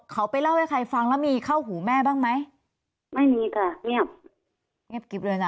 เขาไปเล่าให้ใครฟังแล้วมีเข้าหูแม่บ้างไหมไม่มีค่ะเงียบเงียบกิ๊บเลยนะ